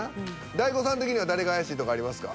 大悟さん的には誰が怪しいとかありますか？